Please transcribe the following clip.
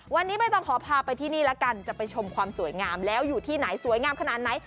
วันนี้ไม่ต้องขอพาไปที่นี่ละกันจะไปชมความสวยงามแล้วอยู่ที่ไหนสวยงามขนาดไหน